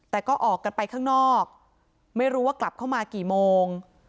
แต่ก็ออกกันไปข้างนอกไม่รู้ว่ากลับเข้ามากี่โมง